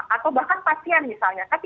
atau bahkan pasien misalnya